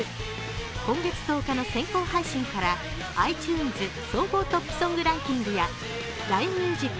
今月１０日の先行配信からｉＴｕｎｅｓ総合トップソングランキングやＬＩＮＥＭＵＳＩＣ